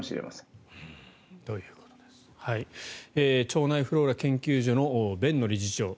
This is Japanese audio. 腸内フローラ研究所の辨野理事長。